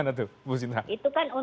itu kan untuk perusahaan